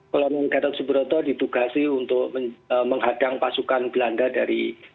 kalau mengatakan soeharto didukasi untuk menghadang pasukan belanda dari